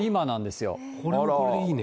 これはこれでいいね。